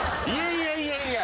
いやいやいや。